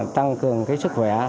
tăng cường sức khỏe